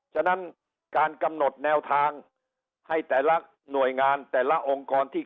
ฉะนั้นการกำหนดแนวทางให้แต่ละหน่วยงานแต่ละองค์กรที่